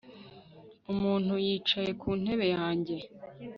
Umuntu yicaye ku ntebe yanjye